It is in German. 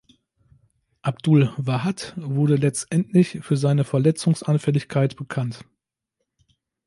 Abdul-Wahad wurde letztendlich für seine Verletzungsanfälligkeit bekannt.